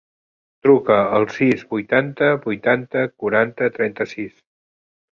Truca al sis, vuitanta, vuitanta, quaranta, trenta-sis.